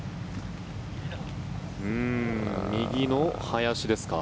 右の林ですか。